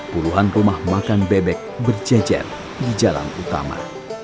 puluhan rumah makan bebek berjejer di jalan utama